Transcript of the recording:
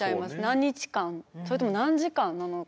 何日間それとも何時間なのか。